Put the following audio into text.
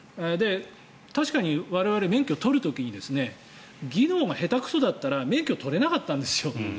確かに我々は免許を取る時に技能が下手くそだったら免許を取れなかったんですよ。